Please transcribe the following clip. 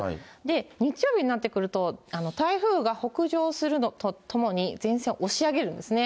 日曜日になってくると、台風が北上するとともに、前線を押し上げるんですね。